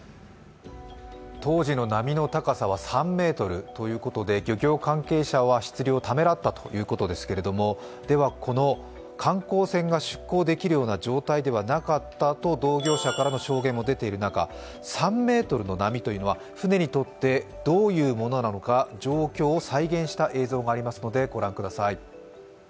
当時の波の高さは３ｍということで、漁業関係者は出漁をためらったということですけれども、この観光船が出港できるような状況ではなかったと同業者からの証言も出ている中、３ｍの波というのは船にとって、どういうものなのか、状況を再現した映像もありますので御覧ください。